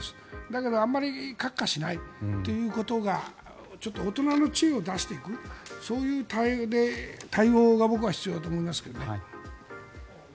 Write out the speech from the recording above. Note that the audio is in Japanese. だけど、あまりカッカしないということがちょっと大人の知恵を出していくそういう対応が僕は必要だと思いますけどね。